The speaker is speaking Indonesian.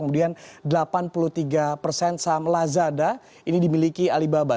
pada persen saham lazada ini dimiliki alibaba